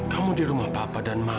kamu di rumah papa dan mama nak